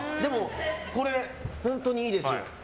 これ本当にいいですよ。